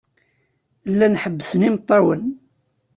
Llan ḥebbsen imeṭṭawen.